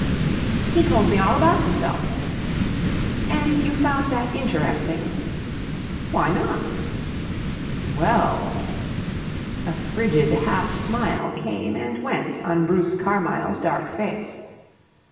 "He told me all about himself." "And you found that interesting?" "Why not?" "Well..." A frigid half smile came and went on Bruce Carmyle's dark face.